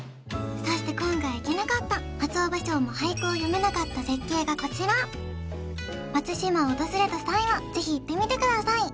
そして今回行けなかった松尾芭蕉も俳句を詠めなかった絶景がこちら松島を訪れた際はぜひ行ってみてください